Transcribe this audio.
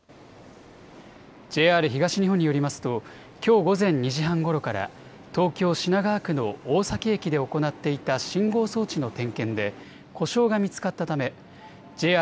ＪＲ東日本によりますときょう午前２時半ごろから東京品川区の大崎駅で行っていた信号装置の点検で故障が見つかったためＪＲ